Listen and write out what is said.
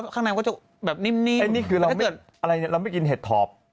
ข้างในมันก็จะแบบนิ่มไอ้นี่คือเราไม่กินเห็ดถอบ